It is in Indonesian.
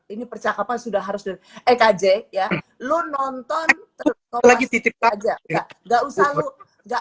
ini percakapan sudah harus eh kajek ya lu nonton lagi titip aja enggak usah lu enggak